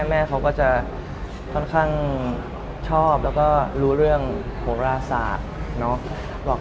แม่เขาก็จะค่อนข้างชอบแล้วก็รู้เรื่องโหราศาสตร์